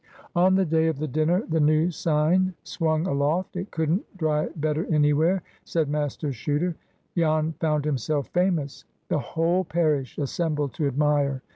On the day of the dinner the new sign swung aloft. "It couldn't dry better anywhere," said Master Chuter. Jan "found himself famous." The whole parish assembled to admire.